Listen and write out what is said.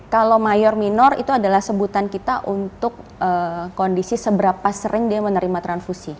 kalau mayor minor itu adalah sebutan kita untuk kondisi seberapa sering dia menerima transfusi